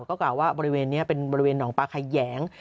ก็กล่าวว่าบริเวณนี้เป็นบริเวณหนองปลาไข่แหยง